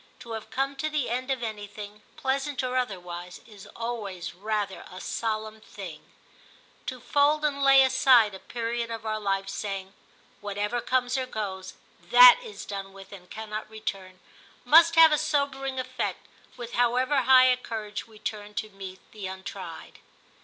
To have come to the end of anything, pleasant or otherwise, is always rather a solemn thing. To fold and lay aside a period of our life, saying, * Whatever comes or goes, that is done with and cannot return,' must have a sobering effect, with however high a courage we turn to meet the M l62 TIM CHAP. untried.